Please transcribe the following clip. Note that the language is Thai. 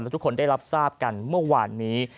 ทุกคนได้รับทราบกันเมื่อวานนี้